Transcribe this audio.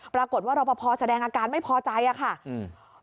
ปรากฏว่ารอปภแสดงอาการไม่พอใจอ่ะค่ะอืม